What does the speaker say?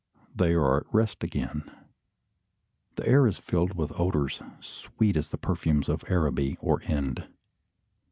They are at rest again. The air is filled with odours sweet as the perfumes of Araby or Ind.